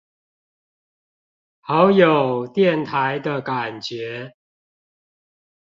好有電台的感覺